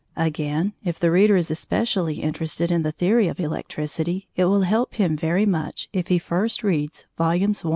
Again, if the reader is especially interested in the theory of Electricity it will help him very much if he first reads Vols.